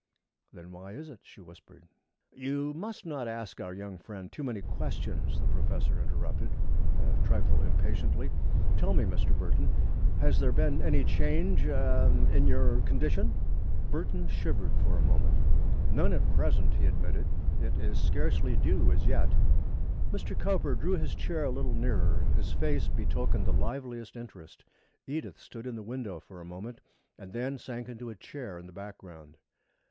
"Then why is it?" she whispered. "You must not ask our young friend too many questions," the professor interrupted, a trifle impatiently. "Tell me, Mr. Burton, has there been any change er in your condition?" Burton shivered for a moment. "None at present," he admitted. "It is scarcely due as yet." Mr. Cowper drew his chair a little nearer. His face betokened the liveliest interest. Edith stood in the window for a moment and then sank into a chair in the background.